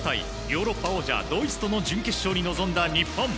ヨーロッパ王者ドイツとの準決勝に臨んだ日本。